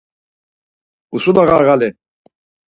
Usula ğarğali.